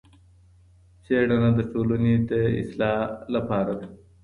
څېړنه د ټولني د اصلاح لپاره ده.